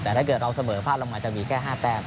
แต่ถ้าเกิดเราเสมอภาพเรามันอาจจะมีแค่๕แต้ม